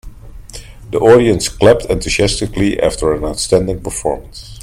The audience clapped enthusiastically after an outstanding performance.